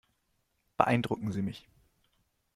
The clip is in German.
Beeindrucken Sie mich.